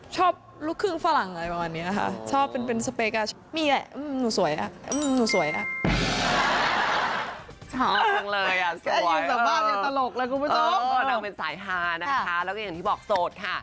ชอบลูกคลึงฝรั่งอะไรประมาณนี้ค่ะ